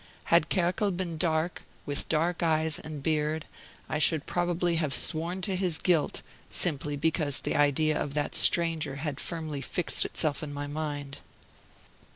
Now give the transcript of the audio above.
Had Kerkel been dark, with dark eyes and beard, I should probably have sworn to his guilt, simply because the idea of that stranger had firmly fixed itself in my mind.